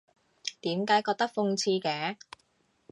點解覺得諷刺嘅？